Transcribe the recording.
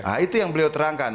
nah itu yang beliau terangkan